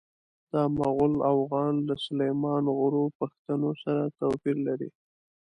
دا مغول اوغان له سلیمان غرو پښتنو سره توپیر لري.